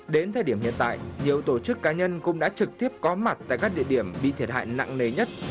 đến thời điểm hiện tại nhiều tổ chức cá nhân cũng đã trực tiếp có mặt tại các địa điểm bị thiệt hại nặng nề nhất